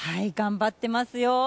頑張ってますよ。